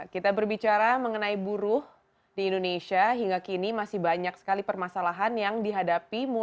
kita berbicara mengenai buruh di indonesia hingga kini masih banyak sekali permasalahan yang dihadapi